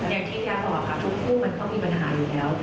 อย่างที่แกบอกค่ะทุกคู่มันต้องมีปัญหาอยู่แล้ว